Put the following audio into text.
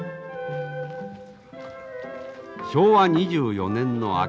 昭和２４年の秋